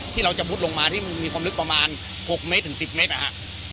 ที่เราจะมุดลงมาที่มันมีความลึกประมาณ๖เมตรถึง๑๐เมตรนะครับ